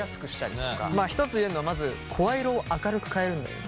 一つ言えるのはまず声色を明るく変えるんだよね。